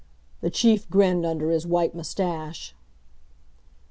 The Chief grinned under his white mustache.